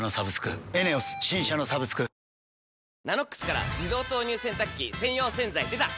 「ＮＡＮＯＸ」から自動投入洗濯機専用洗剤でた！